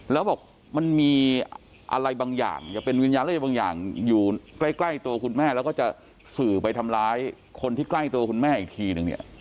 แล้วบอกมันมีอะไรบางอย่างจะเป็นวิญญาณอะไรบางอย่างอยู่ใกล้ตัวคุณแม่แล้วก็จะสื่อไปทำร้ายคนที่ใกล้ตัวคุณแม่อีกทีนึงเนี่ย